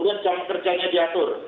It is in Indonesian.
kemudian jam kerjanya diatur